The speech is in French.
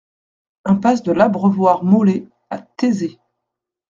Impasse de l'Abreuvoir Maulais à Taizé